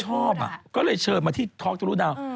จริงชอบอ่ะก็เลยเชิญมาที่ทอลลูดาว